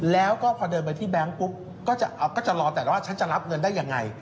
แล้วก็พอเดินไปที่แบงค์ปุ๊บก็จะรอแต่ละว่าฉันจะรับเงินได้ยังไง